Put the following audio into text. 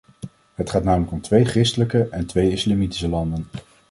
Het gaat namelijk om twee christelijke en twee islamitische landen.